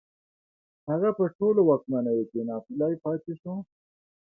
هغه په ټولو واکمنيو کې ناپېيلی پاتې شو